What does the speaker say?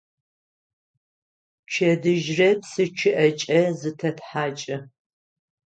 Пчэдыжьрэ псы чъыӀэкӀэ зытэтхьакӀы.